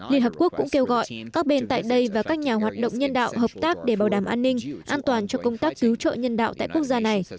liên hợp quốc cũng kêu gọi các bên tại đây và các nhà hoạt động nhân đạo hợp tác để bảo đảm an ninh an toàn cho công tác cứu trợ nhân đạo tại quốc gia này